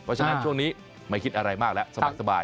เพราะฉะนั้นช่วงนี้ไม่คิดอะไรมากแล้วสบาย